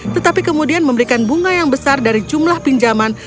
tetapi kemudian memberikan bunga yang besar dari jumlah pinjaman